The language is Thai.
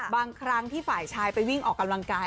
บางครั้งที่ฝ่ายชายไปวิ่งออกกำลังกาย